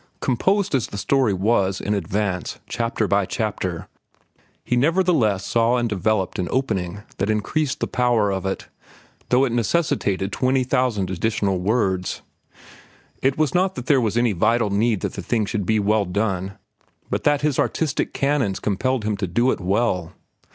Composed as the story was, in advance, chapter by chapter, he nevertheless saw and developed an opening that increased the power of it, though it necessitated twenty thousand additional words. It was not that there was any vital need that the thing should be well done, but that his artistic canons compelled him to do it well.